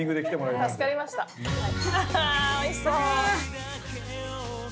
おいしそう！